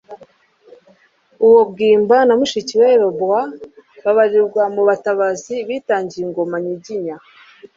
Uwo Bwimba na mushiki we Robwa babarirwa mu batabazi bitangiye ingoma nyiginya.